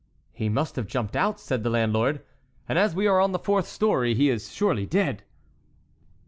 "He must have jumped out," said the landlord, "and as we are on the fourth story, he is surely dead."